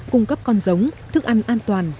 cung cấp con giống thức ăn an toàn